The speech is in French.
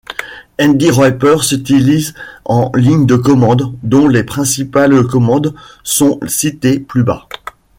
NdisWrapper s'utilise en ligne de commande, dont les principales commandes sont citées plus bas.